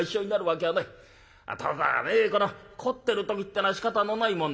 ただねこの凝ってる時ってのはしかたのないもんだ。